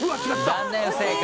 残念不正解。